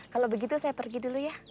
kalau begitu saya pergi dulu ya